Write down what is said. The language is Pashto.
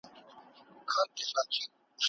يو له بل سره توپير لري.